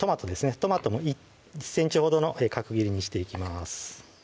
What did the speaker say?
トマトも１ｃｍほどの角切りにしていきます